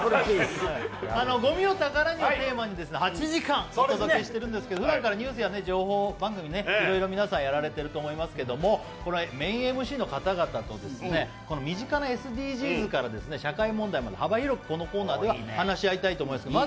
「ごみを宝に」をテーマに８時間お届けしているんですけど、ふだんからニュースや情報番組、いろいろ皆さんやられていると思いますけれどもメインＭＣの方々と身近なＳＤＧｓから社会問題まで幅広くこのコーナーでは話し合いたいと思います。